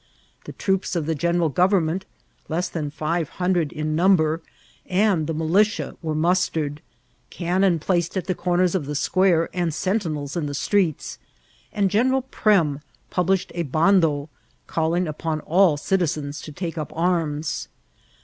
The troops of the general government (less than five hundred in number) and the militia were nmstered ; cannon placed at the comers of the square, and sentinels in the streets ; and General Prem published a bando, calling upon all citizens to take up arms.